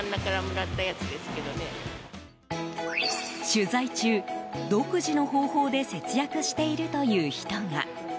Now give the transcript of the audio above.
取材中、独自の方法で節約しているという人が。